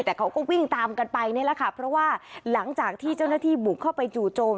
แต่เขาก็วิ่งตามกันไปนี่แหละค่ะเพราะว่าหลังจากที่เจ้าหน้าที่บุกเข้าไปจู่โจม